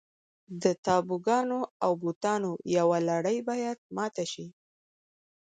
د تابوګانو او بوتانو یوه لړۍ باید ماته شي.